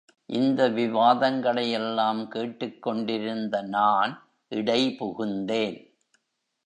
இந்த விவாதங்களை எல்லாம் கேட்டுக்கொண்டிருந்த நான் இடைபுகுந்தேன்.